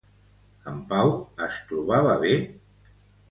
En Pau es trobava bé?